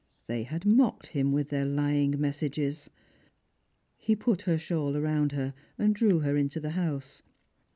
They had mocked him with their lying messages. He put her shawl round her, and drew her into the house.